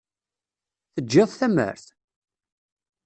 Teǧǧiḍ tamart?